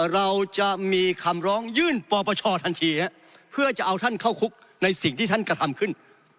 เราจะมีคำร้องยื่นปปชทันทีเพื่อจะเอาท่านเข้าคุกในสิ่งที่ท่านกระทำขึ้น